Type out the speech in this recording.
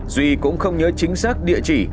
duy cũng không nhớ chính xác địa chỉ